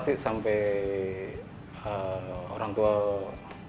tentunya ketika pilihan kita harus dikomunikasikan sama orang tua itu seperti apa perjuangannya